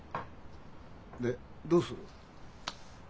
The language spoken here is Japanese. でどうする？